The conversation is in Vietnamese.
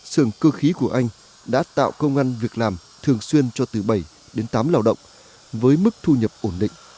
sườn cơ khí của anh đã tạo công ngăn việc làm thường xuyên cho từ bảy đến tám lào động với mức thu nhập ổn định